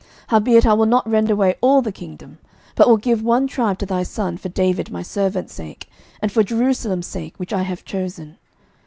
11:011:013 Howbeit I will not rend away all the kingdom; but will give one tribe to thy son for David my servant's sake, and for Jerusalem's sake which I have chosen.